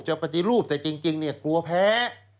จะปฏิลูกแต่จริงกลัวแพ้